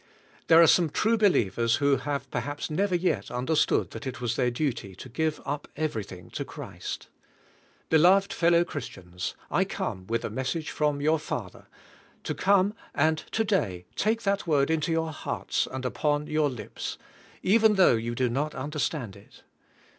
There are some true believers who have perhaps never yet understood that it was their duty to give up everything to Christ. Beloved fellow Chris tians, I come with a message from your Father, to come and to day take that word into your hearts and upon your lips, even though you do not un derstand it.